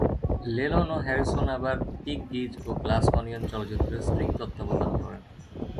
Lennon ও Harrison আবার "Piggies" ও "গ্লাস অনিয়ন" চলচ্চিত্রের স্ট্রিং তত্ত্বাবধান করেন।